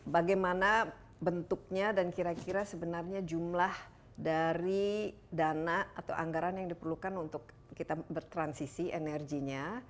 bagaimana bentuknya dan kira kira sebenarnya jumlah dari dana atau anggaran yang diperlukan untuk kita bertransisi energinya